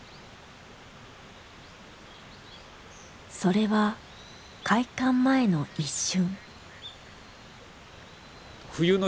それは開館前の一瞬。